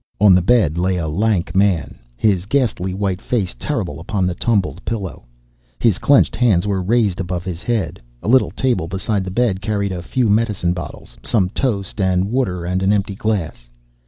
On the bed lay a lank man, his ghastly white face terrible upon the tumbled pillow. His clenched hands were raised above his head. A little table beside the bed carried a few medicine bottles, some toast and water, and an empty glass.